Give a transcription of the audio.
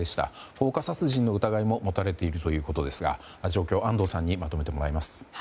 放火殺人の疑いも持たれているということですが状況を安藤さんにまとめてもらいます。